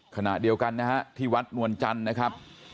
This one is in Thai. ขณะเดียวกันนะฮะที่วัดนวลจันทร์นะครับ